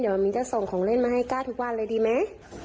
เดี๋ยวมิ้นจะส่งของเล่นมาให้ก้าทุกวันเลยดีไหม